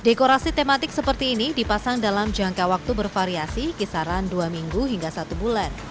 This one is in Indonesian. dekorasi tematik seperti ini dipasang dalam jangka waktu bervariasi kisaran dua minggu hingga satu bulan